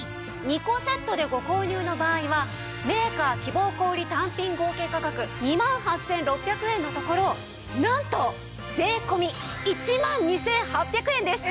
２個セットでご購入の場合はメーカー希望小売単品合計価格２万８６００円のところなんと税込１万２８００円です。